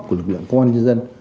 của lực lượng công an nhân dân